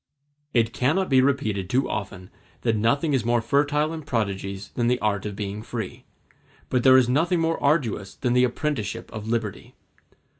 It cannot be repeated too often that nothing is more fertile in prodigies than the art of being free; but there is nothing more arduous than the apprenticeship of liberty.